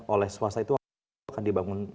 oleh swasta itu akan dibangun